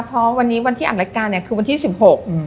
เพราะวันนี้วันที่อัดรายการเนี่ยคือวันที่สิบหก